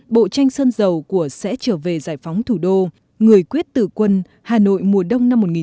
bộ tranh sơn dầu của sẽ trở về giải phóng thủ đô người quyết tử quân hà nội mùa đông năm một nghìn